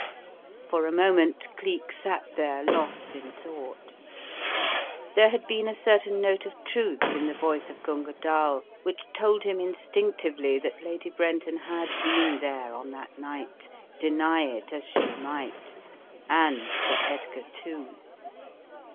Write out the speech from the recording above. For a moment Cleek sat there, lost in thought. There had been a certain note of truth in the voice A Twisted Clue 289 of Gunga Dall which told him instinctively that Lady Brenton had been there on that night, deny it as she might, and Sir Edgar, too.